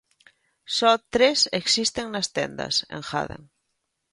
Só tres existen nas tendas, engaden.